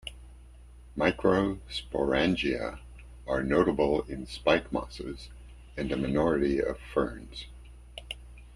Microsporangia are notable in spikemosses, and a minority of ferns.